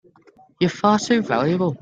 You're far too valuable!